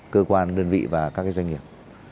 cơ quan đơn vị và các cái doanh nghiệp